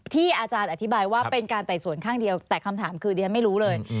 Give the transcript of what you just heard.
อาจารย์อธิบายว่าเป็นการไต่สวนข้างเดียวแต่คำถามคือดิฉันไม่รู้เลย